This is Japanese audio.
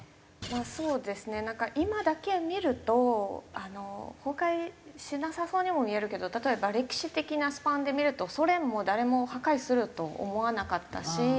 まあそうですねなんか今だけを見ると崩壊しなさそうにも見えるけど例えば歴史的なスパンで見るとソ連も誰も崩壊すると思わなかったし。